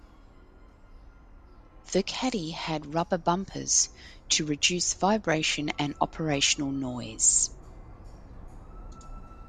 The caddy had rubber bumpers to reduce vibration and operational noise.